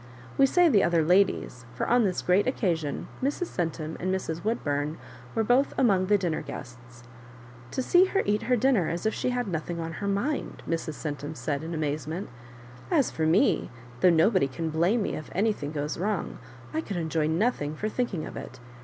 We say the other ladies, for on this great occasion Mrs. Centum and Mrs. Woodbum were both among the dinner guests. " To see her eat her dinner as if she had nothing on her mind I" Mrs. Centum said in amazement: "as for me, though nobody can blame me if anything goes wrong, I could enjoy nothing for thinking of it.